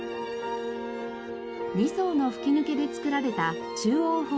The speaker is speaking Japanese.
２層の吹き抜けで造られた中央ホール。